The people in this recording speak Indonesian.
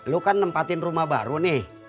lu kan nempatin rumah baru nih